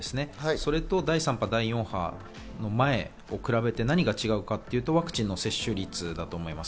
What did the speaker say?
それと第３波、第４波の前を比べて何が違うかというと、ワクチンの接種率だと思います。